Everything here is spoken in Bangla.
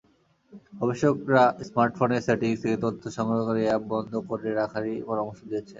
গবেষকেরা স্মার্টফোনের সেটিংস থেকে তথ্য সংগ্রহকারী অ্যাপ বন্ধ করে রাখারই পরামর্শ দিয়েছেন।